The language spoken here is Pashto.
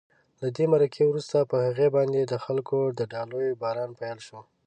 له دې مرکې وروسته په هغې باندې د خلکو د ډالیو باران پیل شو.